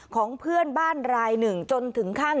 ของเพื่อนบ้านรายหนึ่งจนถึงขั้น